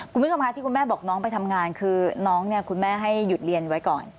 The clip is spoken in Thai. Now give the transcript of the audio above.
คุณผู้ชมค่ะที่คุณแม่บอกน้องไปทำงานคือน้องเนี่ยคุณแม่ให้หยุดเรียนไว้ก่อน